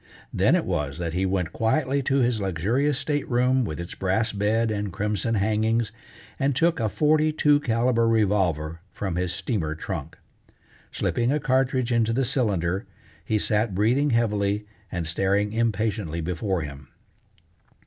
Then it was that he went quietly to his luxurious state room with its brass bed and crimson hangings, and took a forty two caliber revolver from his steamer trunk. Slipping a cartridge into the cylinder, he sat breathing heavily and staring impatiently before him.